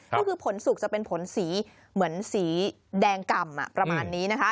ก็คือผลสุกจะเป็นผลสีเหมือนสีแดงกล่ำประมาณนี้นะคะ